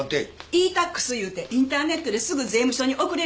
「ｅ−Ｔａｘ」いうてインターネットですぐ税務署に送れるんです。